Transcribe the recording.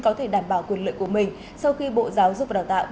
có thể đảm bảo quyền lợi của mình sau khi bộ giáo dục và đào tạo